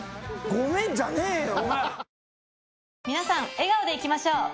「ごめん」じゃねえよ。